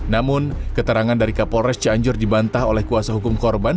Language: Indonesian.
namun keterangan dari kapolres cianjur dibantah oleh kuasa hukum korban